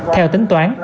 theo tính toán